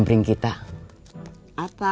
beberapa kan bercanda